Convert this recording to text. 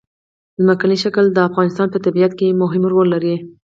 ځمکنی شکل د افغانستان په طبیعت کې مهم رول لري.